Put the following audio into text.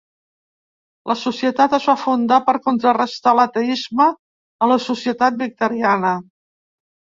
La societat es va fundar per contrarestar l'ateisme a la societat victoriana.